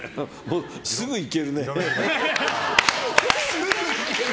すぐいけるね。